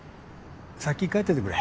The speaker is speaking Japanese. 先帰っててくれ。